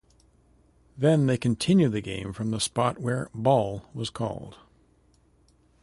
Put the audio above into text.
Then they continue the game from the spot where "ball" was called.